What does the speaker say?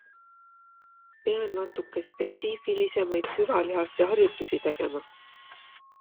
Pean natuke spetsiifilisemaid süvalihaste harjutusi tegema.